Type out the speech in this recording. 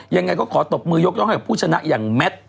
ยังไงก็ขอตบมือยกย่องให้กับผู้ชนะอย่างแมท